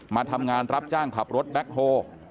มาทำงานรับจ้างขับรถแบ็คโฮ